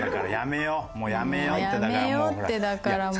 もうやめようってだからもう。